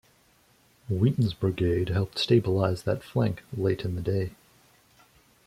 Wheaton's brigade helped stabilize that flank late in the day.